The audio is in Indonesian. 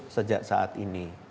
sejak saat ini